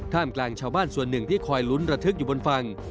กลางชาวบ้านส่วนหนึ่งที่คอยลุ้นระทึกอยู่บนฝั่ง